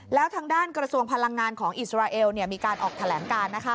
แล้วทางด้านกระทรวงพลังงานของอิสราเอลมีการออกแถลงการ